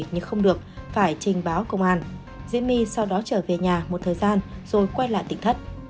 nhưng không được phải trình báo công an diễm my sau đó trở về nhà một thời gian rồi quay lại tỉnh thất